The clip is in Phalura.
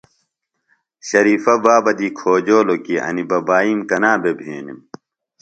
شریفہ بابہ دی کھوجولوۡ کی انیۡ ببائیم کنا بھےۡ بھینِم؟